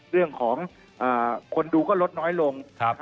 เรื่องของคนดูก็ลดน้อยลง